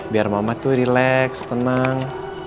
biar mama tuh rileks tenang